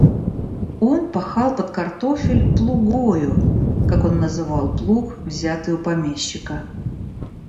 Он пахал под картофель плугою, как он называл плуг, взятый у помещика.